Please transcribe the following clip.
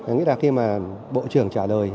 nghĩa là khi mà bộ trưởng trả lời